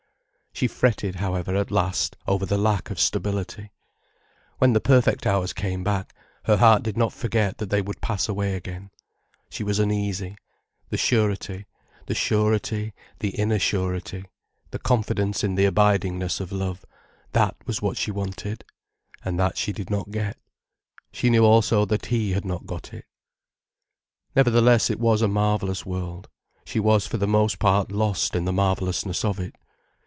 She fretted, however, at last, over the lack of stability. When the perfect hours came back, her heart did not forget that they would pass away again. She was uneasy. The surety, the surety, the inner surety, the confidence in the abidingness of love: that was what she wanted. And that she did not get. She knew also that he had not got it. Nevertheless it was a marvellous world, she was for the most part lost in the marvellousness of it.